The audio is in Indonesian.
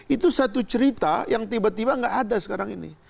itu satu cerita yang tiba tiba nggak ada sekarang ini